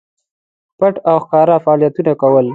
پټ او ښکاره فعالیتونه کول.